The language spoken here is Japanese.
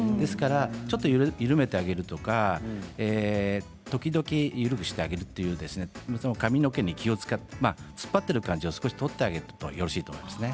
ちょっと緩めてあげるとか時々、緩くしてあげるという髪の毛に気を遣って突っ張っている感じを取ってあげるのがよろしいかと思います。